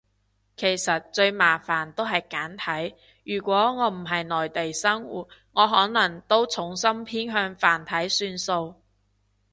其實最麻煩都係簡繁，如果我唔係内地生活，我可能都重心偏向繁體算數